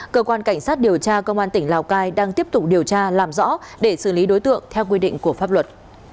cơ quan cảnh sát điều tra công an tỉnh lào cai đang tiếp tục điều tra làm rõ để xử lý đối tượng theo quy định của pháp luật